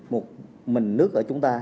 một mình nước ở chúng ta